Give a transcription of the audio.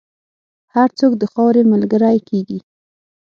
هر څوک د خاورې ملګری کېږي.